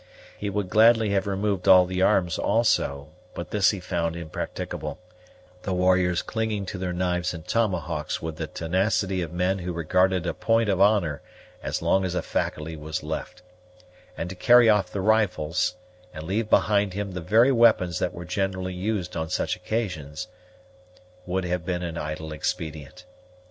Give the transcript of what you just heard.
He would gladly have removed all the arms also, but this he found impracticable, the warriors clinging to their knives and tomahawks with the tenacity of men who regarded a point of honor as long as a faculty was left; and to carry off the rifles, and leave behind him the very weapons that were generally used on such occasions, would have been an idle expedient.